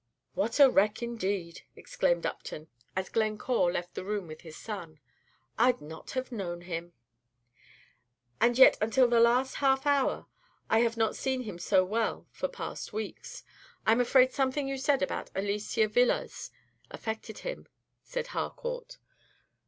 "What a wreck indeed!" exclaimed Upton, as Glencore left the room with his son. "I'd not have known him." "And yet until the last half hour I have not seen him so well for weeks past. I 'm afraid something you said about Alicia Villars affected him," said Harcourt.